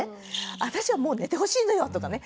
「私はもう寝てほしいのよ」とかね